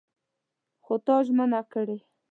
خو تا ژمنه کړې!